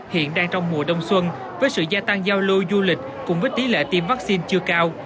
hiện đang trong mùa đông xuân với sự gia tăng giao lưu du lịch cùng với tỷ lệ tiêm vaccine chưa cao